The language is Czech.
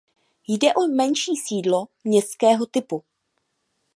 Jde o menší sídlo městského typu.